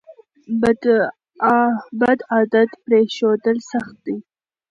بد عادت پریښودل سخت دي.